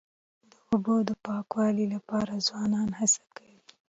د اوبو د پاکوالي لپاره ځوانان هڅې کوي.